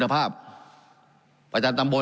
การปรับปรุงทางพื้นฐานสนามบิน